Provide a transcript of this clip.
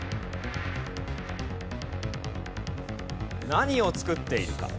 何を作っているか。